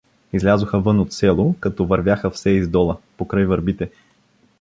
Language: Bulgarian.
Излязоха вън от село, като вървяха все из дола, покрай върбите.